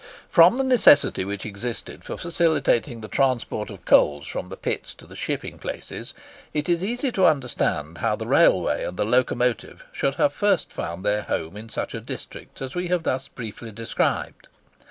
From the necessity which existed for facilitating the transport of coals from the pits to the shipping places, it is easy to understand how the railway and the locomotive should have first found their home in such a district as we have thus briefly described.